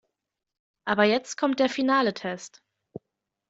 Aber jetzt kommt der finale Test.